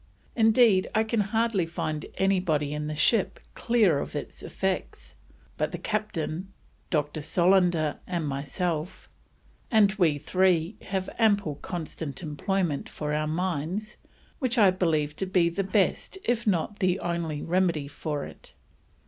Indeed, I can find hardly anybody in the ship clear of its effects, but the Captain, Dr. Solander, and myself, and we three have ample constant employment for our minds, which I believe to be the best if not the only remedy for it."